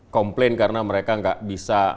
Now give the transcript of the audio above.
komplain karena mereka nggak bisa